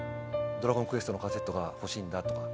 「『ドラゴンクエスト』のカセットが欲しいんだ」とか。